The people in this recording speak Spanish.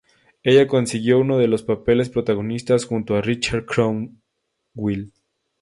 Ella consiguió uno de los papeles protagonistas, junto a Richard Cromwell.